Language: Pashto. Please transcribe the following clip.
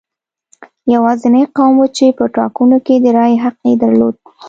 یوازینی قوم و چې په ټاکنو کې د رایې حق یې درلود.